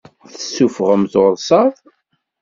Tessuffɣem tursaḍ.